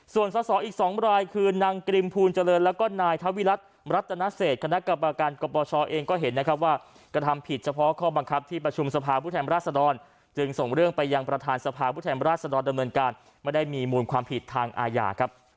ส่วนสอสออีก๒รายคือนางกริมภูลเจริญแล้วก็นายทวิรัติรัตนเศษคณะกรรมการกรปชเองก็เห็นนะครับว่ากระทำผิดเฉพาะข้อบังคับที่ประชุมสภาพผู้แทนราชดรจึงส่งเรื่องไปยังประธานสภาพุทธแทนราชดรดำเนินการไม่ได้มีมูลความผิดทางอาญาครับ